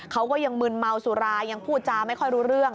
เขาก็ยังมึนเมาสุรายังพูดจาไม่ค่อยรู้เรื่อง